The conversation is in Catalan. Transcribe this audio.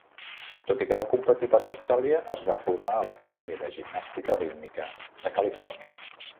Tot i que va competir per Austràlia, es va formar a l'Acadèmia de Gimnàstica Rítmica de Califòrnia.